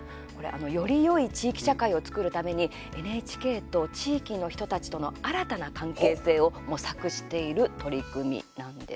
よりよい地域社会を作るためにＮＨＫと地域の人たちとの新たな関係性を模索している取り組みなんです。